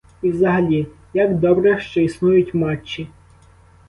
І взагалі, як добре, що існують матчі.